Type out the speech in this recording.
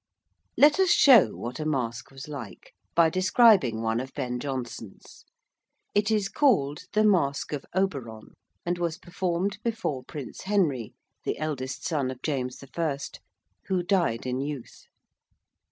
Let us show what a Masque was like by describing one of Ben Jonson's. It is called the Masque of Oberon, and was performed before Prince Henry, the eldest son of James I., who died in youth.